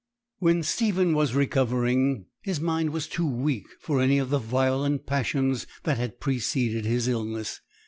When Stephen was recovering, his mind was too weak for any of the violent passions that had preceded his illness.